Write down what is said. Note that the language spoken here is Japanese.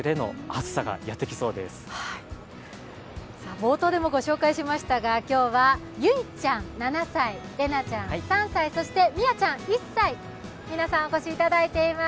冒頭でもご紹介しましたが、今日はゆいちゃん７歳、れなちゃん３歳、みなちゃん１歳、皆さん、お越しいただいています。